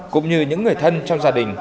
cũng như những người thân trong gia đình